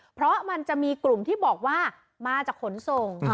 เพราะมันจะมีกลุ่มที่บอกว่ามาจากขนส่ง